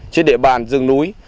trên địa bàn rừng núi